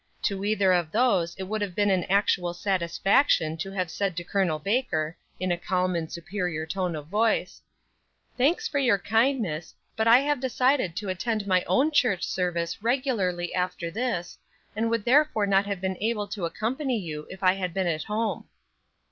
To either of those it would have been an actual satisfaction to have said to Col. Baker, in a calm and superior tone of voice: "Thanks for your kindness, but I have decided to attend my own church service regularly after this, and would therefore not have been able to accompany you if I had been at home."